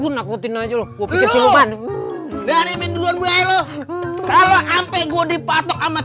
lucu aku nakutin aja lu bikin siluman dari menduan gue lu kalau ampe gue dipatok amat